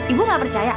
ibu enggak percaya